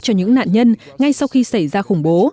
cho những nạn nhân ngay sau khi xảy ra khủng bố